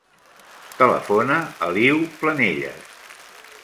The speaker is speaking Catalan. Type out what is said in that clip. Telefona a l'Iu Planelles.